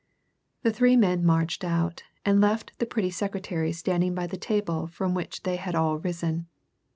The three men marched out, and left the pretty secretary standing by the table from which they had all risen.